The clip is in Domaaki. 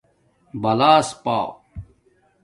بُلاس پݳ